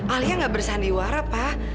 alia gak bersandiwara pak